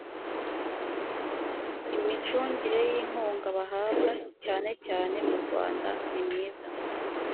imicungire y inkunga bahabwa cyane cyane murwanda nimyiza